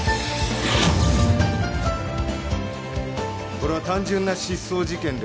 これは単純な失踪事件ではない。